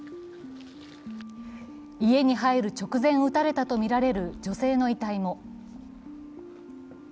家に入る直前を撃たれたとみられる女性の遺体も。